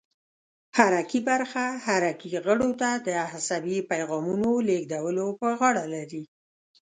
حرکي برخه حرکي غړو ته د عصبي پیغامونو لېږدولو په غاړه لري.